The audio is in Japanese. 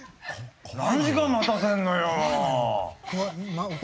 何時間待たせるのよ！